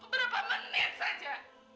beberapa menit saja